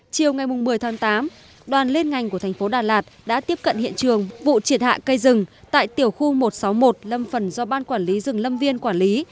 chiều ngày một mươi tháng tám đoàn liên ngành của thành phố đà lạt đã tiếp cận hiện trường vụ triệt hạ cây rừng tại tiểu khu một trăm sáu mươi một lâm phần do ban quản lý rừng lâm viên quản lý